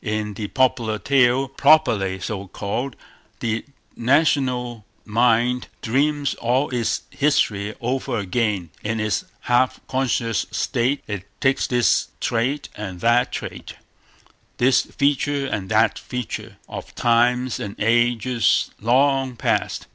In the popular tale, properly so called, the national mind dreams all its history over again; in its half conscious state it takes this trait and that trait, this feature and that feature, of times and ages long past.